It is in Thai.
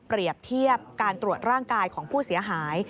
เทียบการตรวจร่างกายของผู้เสียหาย